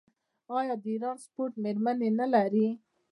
آیا د ایران سپورټ میرمنې نلري؟